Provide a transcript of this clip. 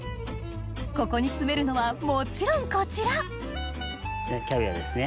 ここに詰めるのはもちろんこちらキャビアですね